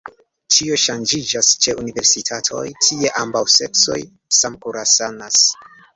Ĉio ŝanĝiĝas ĉe universitatoj: tie ambaŭ seksoj samkursanas.